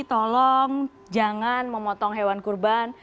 tolong jangan memotong hewan kurban